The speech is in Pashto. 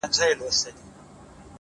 او په وجود كي مي’